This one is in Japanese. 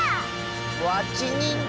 わちにんこ！